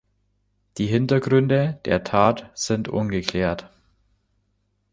Die Hintergründe der Tat sind ungeklärt.